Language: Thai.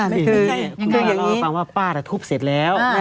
คุณพิมพ์ให้เราฟังว่าป้าจะทุบเสร็จแล้ว